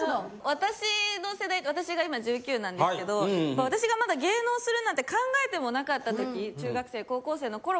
私の世代私が今１９なんですけど私がまだ芸能するなんて考えてもなかった時。